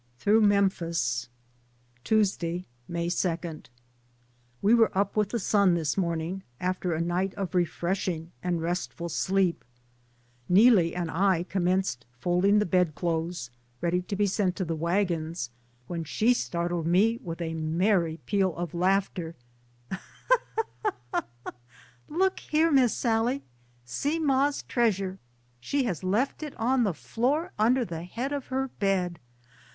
THROUGH MEMPHIS. May 2. We were up with the sun this morning after a night of refreshing and restful sleep. Neelie and I commenced folding the bed clothes, ready to be sent to the wagons, when she startled me with a merry peal of laugh ter, "Look here. Miss Sallie, see ma's treas ure, she has left it on the floor under the head of her bed.